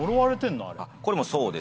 これもそうですね。